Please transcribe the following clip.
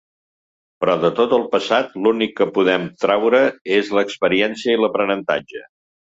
Però de tot el passat l’únic que podem traure és experiència i aprenentatge.